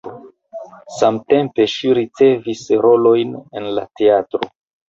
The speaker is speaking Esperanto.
Samtempe ŝi ricevis rolojn en la teatro.